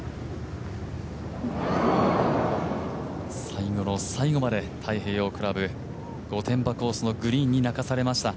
最後の最後まで太平洋クラブ御殿場コースのグリーンに泣かされました。